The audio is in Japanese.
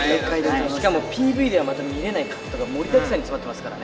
しかもＰＶでは見れないカットが盛りだくさんに詰まってます